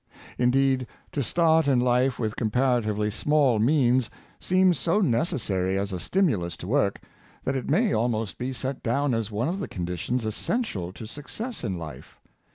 Indeed, to start in life with comparatively small means seems so necessary as a stimulus to work, that it may almost be set down as one of the conditions essential to success in life.